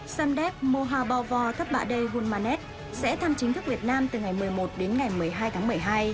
samdep mohabovor thapbadey hulmanet sẽ thăm chính thức việt nam từ ngày một mươi một đến ngày một mươi hai tháng một mươi hai